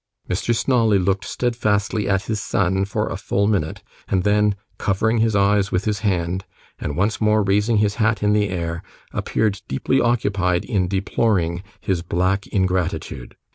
Mr. Snawley looked steadfastly at his son for a full minute, and then covering his eyes with his hand, and once more raising his hat in the air, appeared deeply occupied in deploring his black ingratitude.